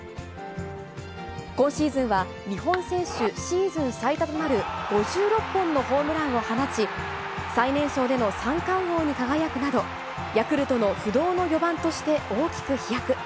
今シーズンは、日本選手シーズン最多となる５６本のホームランを放ち、最年少での三冠王に輝くなど、ヤクルトの不動の４番として大きく飛躍。